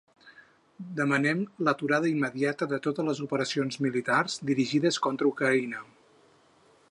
Demanem l’aturada immediata de totes les operacions militars dirigides contra Ucraïna.